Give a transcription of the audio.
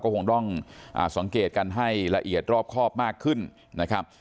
ก็คงต้องสังเกตกันให้ละเอียดรอบครอบมากขึ้นนะครับ